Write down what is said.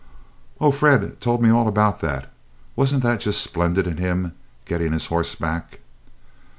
"Oh, Fred told me all about that. Wasn't that just splendid in him, getting his horse back!"